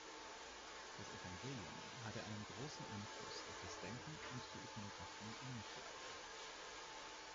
Das Evangelium hatte einen großen Einfluss auf das Denken und die Ikonographie im Mittelalter.